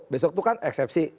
besok itu kan eksepsi